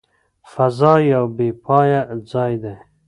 فضا یو بې پایه ځای دی.